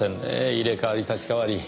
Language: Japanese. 入れ代わり立ち代わり。